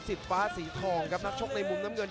ฟ้าสีทองครับนักชกในมุมน้ำเงิน